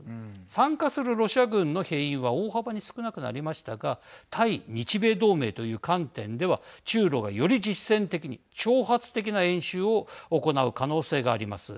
参加するロシア軍の兵員は大幅に少なくなりましたが対日米同盟という観点では中ロが、より実戦的に挑発的な演習を行う可能性があります。